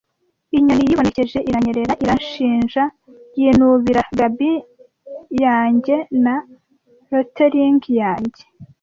Inyoni yibonekeje iranyerera iranshinja, yinubira gab yanjye na loitering yanjye.